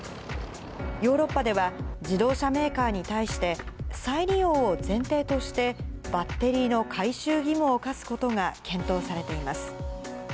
ヨーロッパでは、自動車メーカーに対して、再利用を前提として、バッテリーの回収義務を課すことが検討されています。